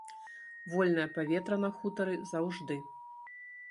Вольнае паветра на хутары заўжды.